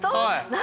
何？